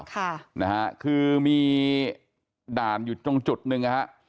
ค่ะนะฮะคือมีด่านอยู่ตรงจุดหนึ่งนะฮะ